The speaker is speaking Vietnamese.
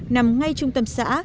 nằm ngay trung tâm xã